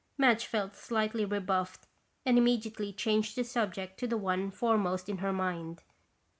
Madge felt slightly rebuffed and immediately changed the subject to the one foremost in her mind.